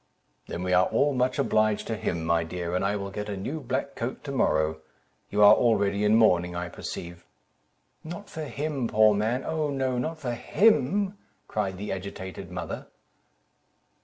"Then we are all much obliged to him, my dear, and I will get a new black coat to morrow; you are already in mourning, I perceive." "Not for him, poor man—oh, no, not for him," cried the agitated mother.